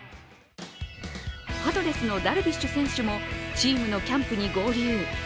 パドレスのダルビッシュ選手もチームのキャンプに合流。